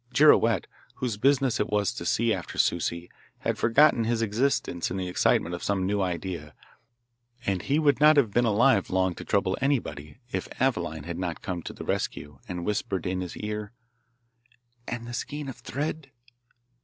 Girouette, whose business it was to see after Souci, had forgotten his existence in the excitement of some new idea, and he would not have been alive long to trouble anybody if Aveline had not come to the rescue and whispered in his ear, 'And the skein of thread?